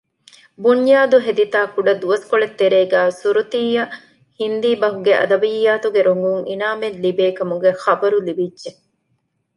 ބުންޔާދު ހެދިތާ ކުޑަދުވަސްކޮޅެއްގެ ތެރޭގައި ސުރުތީއަށް ހިންދީ ބަހުގެ އަދަބިއްޔާތުގެ ރޮނގުން އިނާމެއް ލިބޭ ކަމުގެ ޚަބަރު ލިބިއްޖެ